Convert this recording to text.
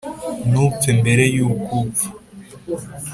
ntupfe mbere yuko upfa.